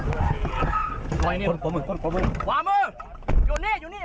ปล่อยเนี่ยปล่อยมือปล่อยมือปล่อยมือปล่อยมืออยู่เนี่ยอยู่เนี่ย